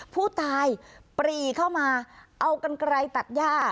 ผู้ตายปรีเข้ามาเอากันไกลตัดย่า